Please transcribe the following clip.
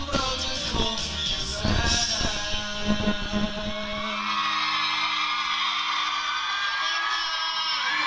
พี่ไม่ได้มาโดน